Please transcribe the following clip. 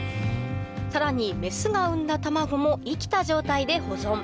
さらにメスが産んだ卵も生きた状態で保存